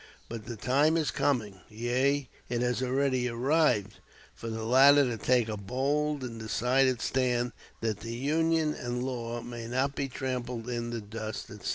But the time is coming yea, it has already arrived for the latter to take a bold and decided stand that the Union and law may not be trampled in the dust," etc.